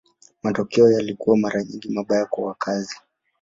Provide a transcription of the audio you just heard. Matokeo yalikuwa mara nyingi mabaya kwa wakazi.